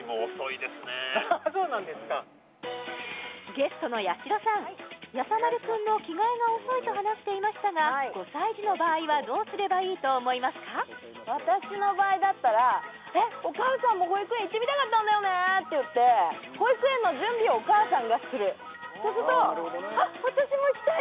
ゲストのやしろさんやさ丸くんの着替えが遅いと話していましたが５歳児の場合はどうすればいいと思いますか私の場合だったらえっお母さんも保育園行ってみたかったんだよねって言って保育園の準備をお母さんがするそうするとあっ私も行きたい！